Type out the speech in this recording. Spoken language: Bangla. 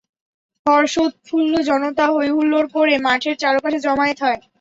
হর্ষোৎফুল্ল জনতা হৈ-হুল্লোড় করে মাঠের চারপাশে জমায়েত হয়।